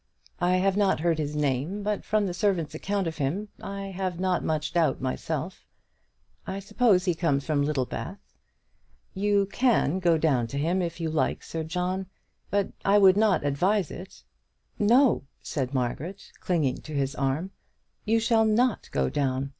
"I have not heard his name, but from the servant's account of him I have not much doubt myself; I suppose he comes from Littlebath. You can go down to him, if you like, Sir John; but I would not advise it." "No," said Margaret, clinging to his arm, "you shall not go down.